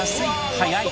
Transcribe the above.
早い！